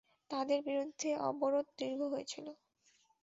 তাদের বিরুদ্ধে অবরোধ দীর্ঘ হয়েছিল।